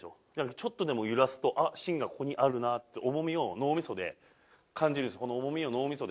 ちょっとでも揺らすと、芯がここにあるなって重みを脳みそで感じるんですよ。